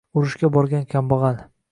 Urushga borgan kambag‘al